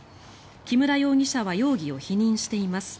木村容疑者は容疑を否認しています。